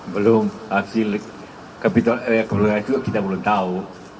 belum hasil kapital eh kapitalnya juga kita belum tahu